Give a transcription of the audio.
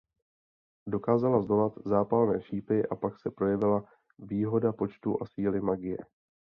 Dokázala zdolat zápalné šípy a pak se projevila výhoda počtu a síly magie.